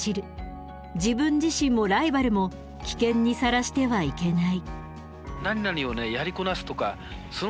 自分自身もライバルも危険にさらしてはいけない」。